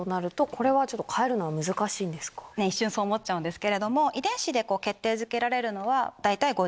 一瞬そう思っちゃうんですけれども。